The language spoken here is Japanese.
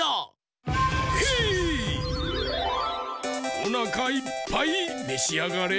おなかいっぱいめしあがれ！